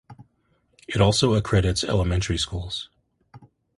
It also accredits elementary schools.